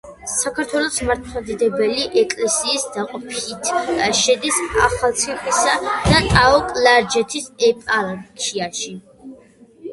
საქართველოს მართლმადიდებელი ეკლესიის დაყოფით შედის ახალციხისა და ტაო-კლარჯეთის ეპარქიაში.